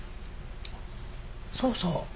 そうそう。